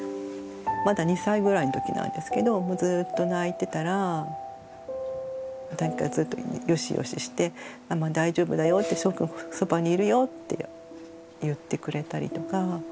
まだ２歳ぐらいのときなんですけどずっと泣いてたらなんかずっとよしよしして「ママ大丈夫だよしょうくんそばにいるよ」って言ってくれたりとか。